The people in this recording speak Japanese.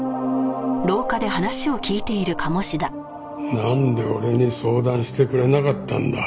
なんで俺に相談してくれなかったんだ。